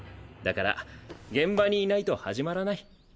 だから現場にいないと始まらない。